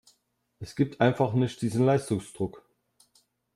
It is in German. Es gibt einfach nicht diesen Leistungsdruck.